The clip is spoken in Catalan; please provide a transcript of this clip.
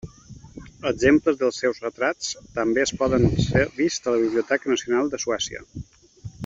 Exemples dels seus retrats també poden ser vists a la Biblioteca Nacional de Suècia.